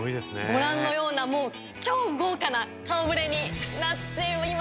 ご覧のような超豪華な顔触れになっています。